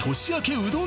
うどん！